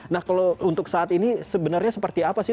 nah kalau untuk saat ini sebenarnya seperti apa sih